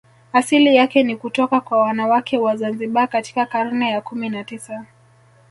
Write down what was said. Asili yake ni kutoka kwa wanawake wa Zanzibar katika karne ya kumi na tisa